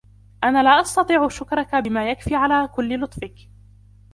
أنا لا أستطيع شكرك بما يكفي على كل لطفك.